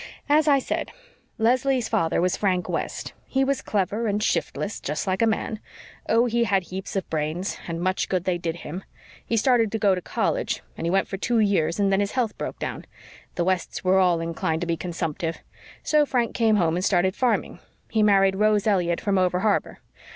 As I said, Leslie's father was Frank West. He was clever and shiftless just like a man. Oh, he had heaps of brains and much good they did him! He started to go to college, and he went for two years, and then his health broke down. The Wests were all inclined to be consumptive. So Frank came home and started farming. He married Rose Elliott from over harbor.